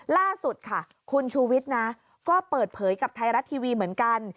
ล่าสุดค่ะคุณชูวิทย์นะก็เปิดเผยกับไทยรัฐทีวีเหมือนกัน